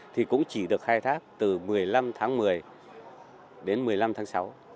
thì cũng chỉ được khai thác từ một mươi năm tháng một mươi đến một mươi năm tháng sáu